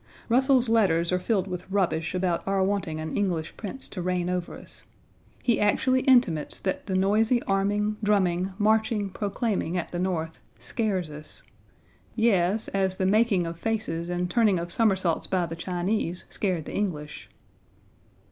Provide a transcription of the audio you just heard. Russell's letters are filled with rubbish about our wanting an English prince to reign over us. He actually intimates that the noisy arming, drumming, marching, proclaiming at the North, scares us. Yes, as the making of faces and turning of somersaults by the Chinese scared the English.